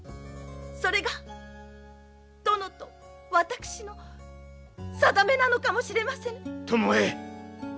それが殿と私の定めなのかもしれませぬ。